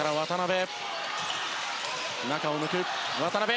中を抜く渡邊！